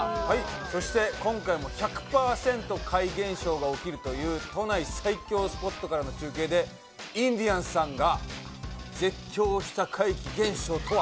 そして今回も１００％怪現象が起きるという都内最強スポットからの中継でインディアンスさんが絶叫した怪奇現象とは。